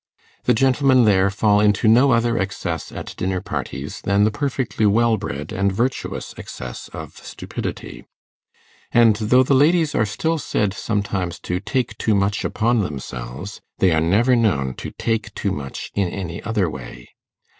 The gentlemen there fall into no other excess at dinner parties than the perfectly well bred and virtuous excess of stupidity; and though the ladies are still said sometimes to take too much upon themselves, they are never known to take too much in any other way.